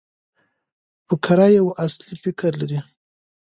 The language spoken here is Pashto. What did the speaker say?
فقره یو اصلي فکر لري.